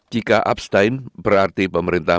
jika abstain berarti pemerintah